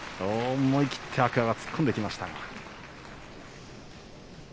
思い切って天空海が突っ込んでいきました。